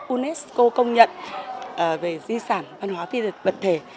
unesco công nhận về di sản văn hóa phiên dịch vật thể